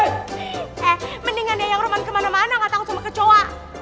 eh mendingan dia yang roman kemana mana gak tanggung sama kecowa